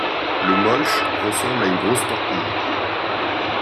Le Molch ressemble à une grosse torpille.